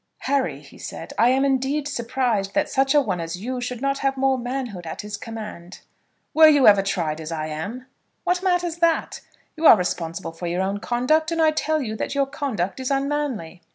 "Harry," he said, "I am, indeed, surprised that such a one as you should not have more manhood at his command." "Were you ever tried as I am?" "What matters that? You are responsible for your own conduct, and I tell you that your conduct is unmanly."